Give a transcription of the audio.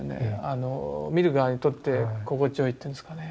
見る側にとって心地よいっていうんですかね。